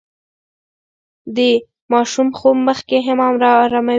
د ماشوم خوب مخکې حمام اراموي.